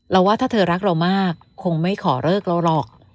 ว่าถ้าเธอรักเรามากคงไม่ขอเลิกเราหรอก